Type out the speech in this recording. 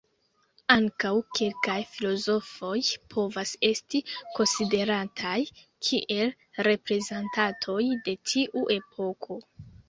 Ankaŭ kelkaj filozofoj povas esti konsiderataj kiel reprezentantoj de tiu epoko.